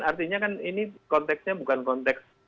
artinya kan ini konteksnya bukan konteks